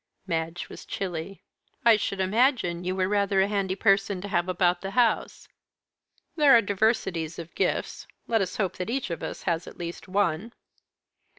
Madge was chilly. "I should imagine you were rather a handy person to have about the house." "There are diversities of gifts; let us hope that each of us has at least one."